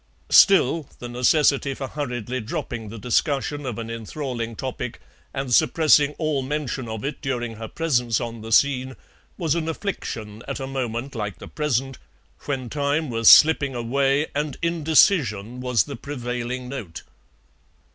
Still, the necessity for hurriedly dropping the discussion of an enthralling topic, and suppressing all mention of it during her presence on the scene, was an affliction at a moment like the present, when time was slipping away and indecision was the prevailing note.